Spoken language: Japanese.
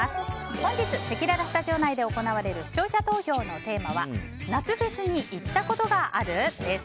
本日せきららスタジオ内で行われる視聴者投票のテーマは夏フェスに行ったことがある？です。